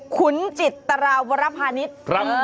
ขุนจิตราวรภานิษฐ์